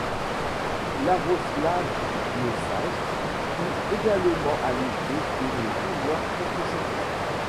Iaroslav le Sage eut également à lutter pour le pouvoir contre ses frères.